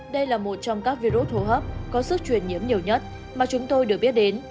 đây là một trong các virus hô hấp có sức truyền nhiễm nhiều nhất mà chúng tôi được biết đến